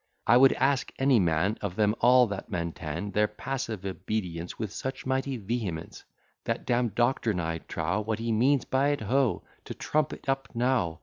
I would ask any man Of them all that maintain Their passive obedience With such mighty vehemence, That damn'd doctrine, I trow! What he means by it, ho', To trump it up now?